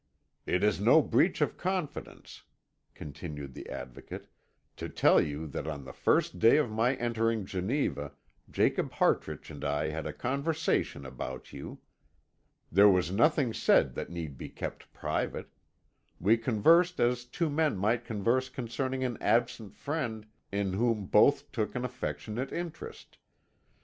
"It is no breach of confidence," continued the Advocate, "to tell you that on the first day of my entering Geneva, Jacob Hartrich and I had a conversation about you. There was nothing said that need be kept private. We conversed as two men might converse concerning an absent friend in whom both took an affectionate interest.